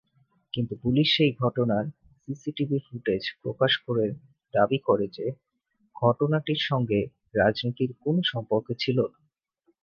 কিন্তু পুলিশ সেই ঘটনার সিসিটিভি ফুটেজ প্রকাশ করে দাবি করে যে, ঘটনাটির সঙ্গে রাজনীতির কোনও সম্পর্ক ছিল না।